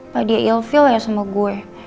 tadi ya ilfil ya sama gue